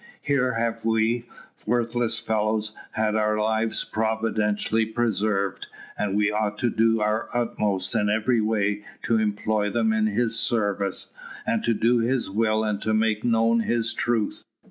"Here have we, worthless fellows, had our lives providentially preserved; and we ought to do our utmost in every way to employ them in His service, and to do His will and to make known His truth.